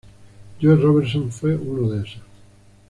Joe Robertson fue uno de esos.